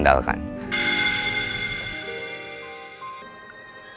tidak ada yang bisa diandalkan